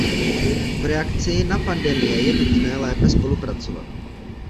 V reakci na pandemie je nutné lépe spolupracovat.